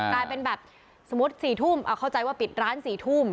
กลายเป็นแบบสมมุติ๔ทุ่มเข้าใจว่าปิดร้าน๔ทุ่ม